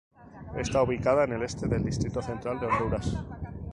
Está ubicada en el este del Distrito Central de Honduras.